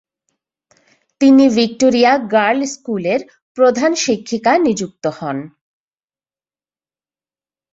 তিনি Victoria girl স্কুলের প্রধান শিক্ষিকা নিযুক্ত হন।